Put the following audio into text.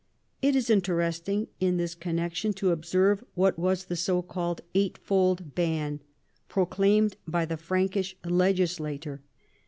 It is interestino in this connection to observe what was the so called " eight fold ban " proclaimed by the Frankish legis lator.